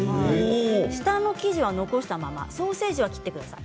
下の生地は残したままソーセージだけ切ってください